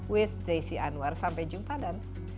with desi anwar sampai jumpa dan